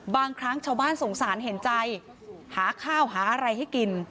บางครั้งชาวบ้านสงสารเห็นใจหาข้าวหาอะไรให้กิน